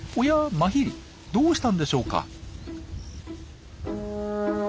マヒリどうしたんでしょうか。